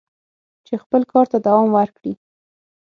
چې خپل کار ته دوام ورکړي."